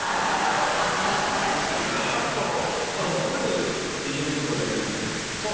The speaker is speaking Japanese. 真っすぐ入れることが大事だからね。